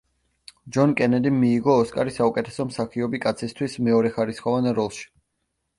ჯონ კენედიმ მიიღო ოსკარი საუკეთესო მსახიობი კაცისთვის მეორეხარისხოვან როლში.